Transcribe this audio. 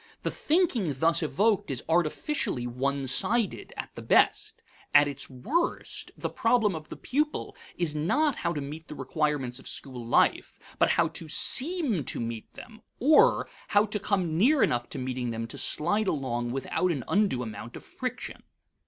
The thinking thus evoked is artificially one sided at the best. At its worst, the problem of the pupil is not how to meet the requirements of school life, but how to seem to meet them or, how to come near enough to meeting them to slide along without an undue amount of friction.